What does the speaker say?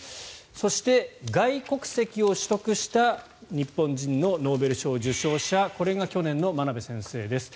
そして、外国籍を取得した日本人のノーベル賞受賞者これが去年の真鍋先生です。